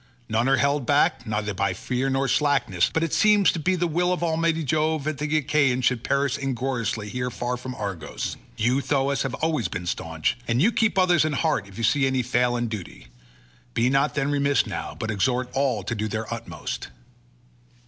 None are held back neither by fear nor slackness, but it seems to be the will of almighty Jove that the Achaeans should perish ingloriously here far from Argos: you, Thoas, have been always staunch, and you keep others in heart if you see any fail in duty; be not then remiss now, but exhort all to do their utmost."